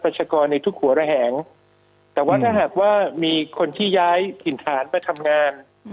กรในทุกหัวระแหงแต่ว่าถ้าหากว่ามีคนที่ย้ายถิ่นฐานไปทำงาน